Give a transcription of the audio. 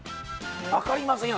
分かりませんよ